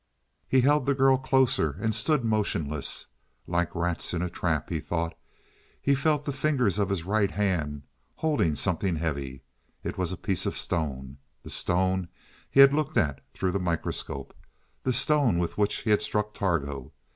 He held the girl closer and stood motionless. Like rats in a trap, he thought. He felt the fingers of his right hand holding something heavy. It was a piece of stone the stone he had looked at through the microscope the stone with which he had struck Targo.